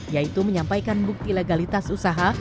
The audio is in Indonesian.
yaitu menyampaikan bukti legalitas usaha